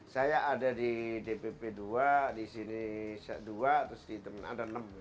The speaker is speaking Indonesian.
saya ada di dpp dua di sini dua terus di teman teman ada enam